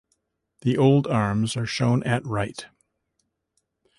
The old arms are shown at right.